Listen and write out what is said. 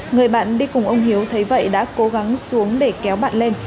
người bạn đi cùng ông hiếu thấy vậy đã cố gắng xuống để kéo bạn lên